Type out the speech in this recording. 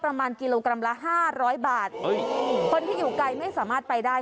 ประมาณกิโลกรัมละห้าร้อยบาทคนที่อยู่ไกลไม่สามารถไปได้